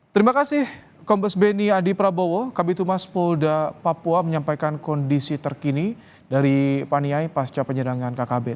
terima kasih kombes beni adi prabowo kabitumas polda papua menyampaikan kondisi terkini dari paniai pasca penyerangan kkb